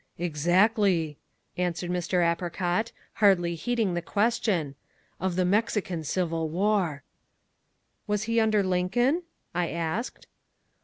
"Exactly," answered Mr. Apricot, hardly heeding the question, "of the Mexican Civil War." "Was he under Lincoln?" I asked.